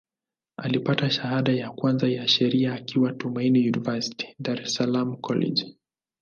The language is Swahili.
Alipata shahada ya kwanza ya Sheria akiwa Tumaini University, Dar es Salaam College.